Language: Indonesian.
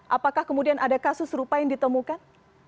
apakah kemudian ada kasus serupa yang ditemukan